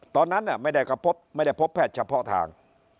ตอนนั้นไม่ได้พบแพทย์เฉพาะทาง